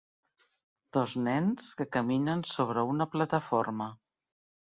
Dos nens que caminen sobre una plataforma.